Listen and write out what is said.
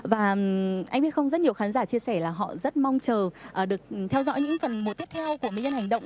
và anh biết không rất nhiều khán giả chia sẻ là họ rất mong chờ được theo dõi những phần mùa tiếp theo của mỹ nhân hành động